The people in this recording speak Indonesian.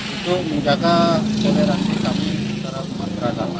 untuk menjaga generasi kami secara beragama